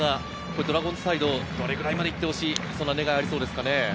ドラゴンズサイド、どれぐらいってほしいという願いがありそうですか？